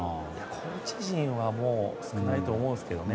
コーチ陣は少ないと思うんですけどね。